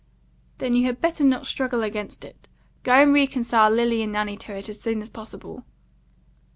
"Then you had better not struggle against it. Go and reconcile Lily and Nanny to it as soon as possible."